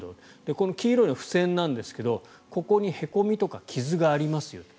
この黄色いの、付せんなんですがここにへこみとか傷がありますよと。